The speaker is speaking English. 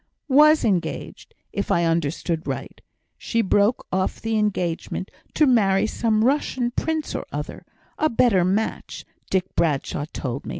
"Was engaged; if I understood right, she broke off the engagement to marry some Russian prince or other a better match, Dick Bradshaw told me.